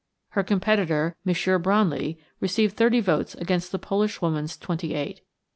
Her competitor, M. Branly, received thirty votes against the Polish woman's twenty eight.